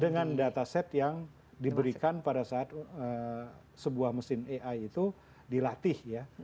dengan data set yang diberikan pada saat sebuah mesin ai itu dilatih ya